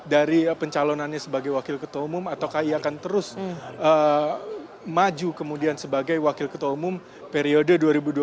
dari pencalonannya sebagai wakil ketua umum ataukah ia akan terus maju kemudian sebagai wakil ketua umum periode dua ribu dua puluh tiga dua ribu dua puluh tujuh